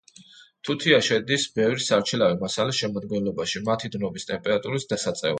თუთია შედის ბევრი სარჩილავი მასალის შემადგენლობაში მათი დნობის ტემპერატურის დასაწევად.